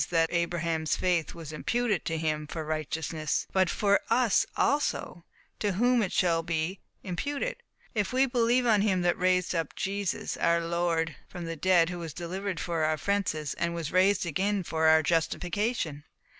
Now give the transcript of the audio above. that Abraham's faith was imputed to him for righteousness), but FOR US ALSO, to whom it shall be imputed, if we believe on him that raised up Jesus, our Lord, from the dead, who was delivered for our offences, and was raised again for our justification."